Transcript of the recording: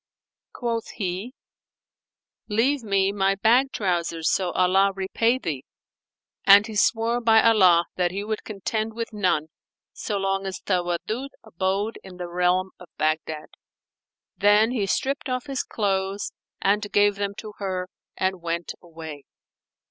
Quoth he, "Leave me my bag trousers, so Allah repay thee;" and he swore by Allah that he would contend with none, so long as Tawaddud abode in the realm of Baghdad. Then he stripped off his clothes and gave them to her and went away.